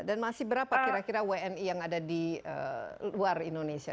dan masih berapa kira kira wni yang ada di luar indonesia